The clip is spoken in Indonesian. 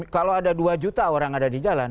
kalau ada dua juta orang ada di jalan